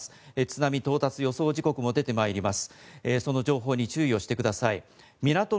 津波到達予想時刻も出ています。